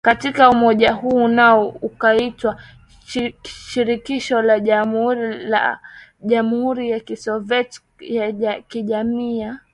katika umoja huu nao ukaitwa Shirikisho la Jamhuri ya Kisovyiet ya Kijamii ya